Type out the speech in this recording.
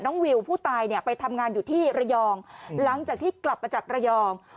วิวผู้ตายเนี่ยไปทำงานอยู่ที่ระยองหลังจากที่กลับมาจากระยอง